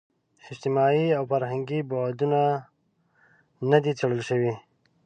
اجتماعي او فرهنګي بعدونه نه دي څېړل شوي.